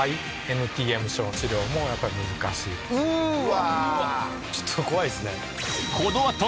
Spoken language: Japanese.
うわ。